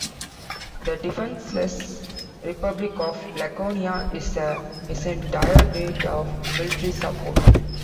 The defenseless Republic of Laconia is in dire need of military support.